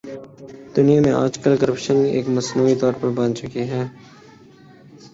دنیا میں آج کل کرپشن ایک موضوعی تصور بن چکی ہے۔